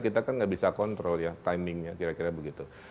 kita kan nggak bisa kontrol ya timingnya kira kira begitu